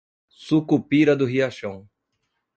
Sucupira do Riachão